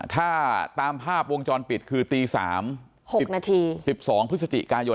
ถ้าตามภาพวงจรปิดคือตี๓๖นาที๑๒พฤศจิกายน